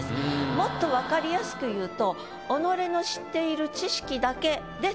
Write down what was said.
もっと分かりやすく言うと。